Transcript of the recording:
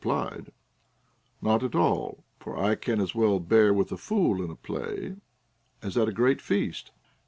— repUed: Not at all, for I can as well bear with a fool in a play as at a great feast.